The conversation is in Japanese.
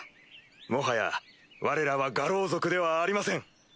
もはやわれらは牙狼族ではありません。